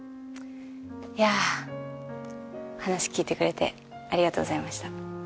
いやぁ話聞いてくれてありがとうございました。